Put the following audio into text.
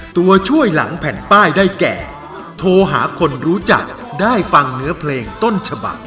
ตัวช่วยหลังแผ่นป้ายได้แก่โทรหาคนรู้จักได้ฟังเนื้อเพลงต้นฉบัก